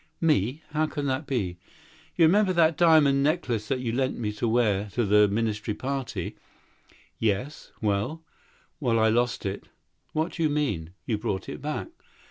"Of me! How so?" "Do you remember that diamond necklace you lent me to wear at the ministerial ball?" "Yes. Well?" "Well, I lost it." "What do you mean? You brought it back."